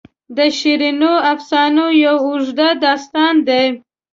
د شیرینو افسانو یو اوږد داستان دی.